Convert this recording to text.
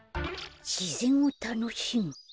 しぜんをたのしむ。